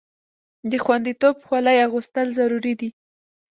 د خوندیتوب خولۍ اغوستل ضروري دي.